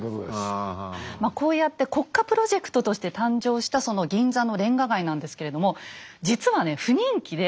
まあこうやって国家プロジェクトとして誕生したその銀座のレンガ街なんですけれども実はね不人気で。